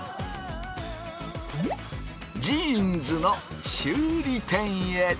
ジーンズの修理店へ！